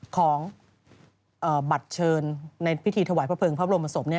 ของบัตรเชิญในพิธีถวายพระเภิงพระบรมศพ